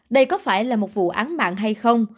đây có phải là một vụ án mạng hay không